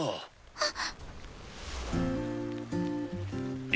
あっ？